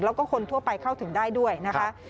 แล้วก็คนทั่วไปเข้าถึงได้ด้วยนะคะ